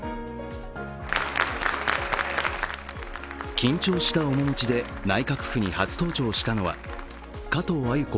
緊張した面持ちで内閣府に初登庁したのは加藤鮎子